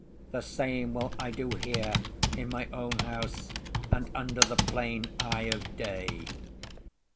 The same will I do here in my own house and under the plain eye of day."